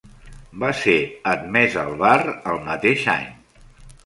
Va ser admès al bar el mateix any.